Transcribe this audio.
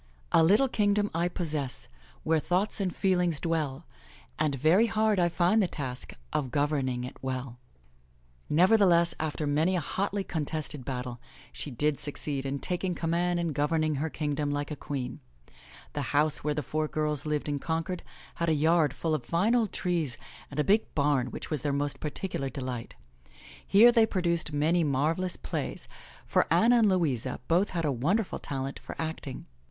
A little kingdom I possess^ Where thoughts and feelings dwell. And very hard I find the task Of governing it well Nevertheless, after many a hotly contested battle, she did succeed in taking command and governing her kingdom like a queen. The house where the four girls lived in Concord had a yard full of fine old trees and a big barn which was their most particular delight. Here they produced many marvelous plays, for Anna and Louisa both had a wonderful talent for acting.